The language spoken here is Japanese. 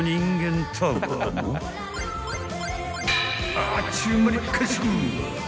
［あっちゅう間に］